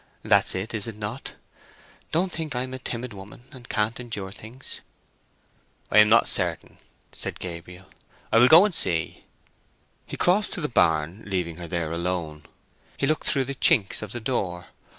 That's it, is it not? Don't think I am a timid woman and can't endure things." "I am not certain," said Gabriel. "I will go and see." He crossed to the barn, leaving her there alone. He looked through the chinks of the door.